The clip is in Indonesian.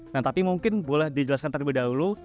nah tapi mungkin boleh dijelaskan terlebih dahulu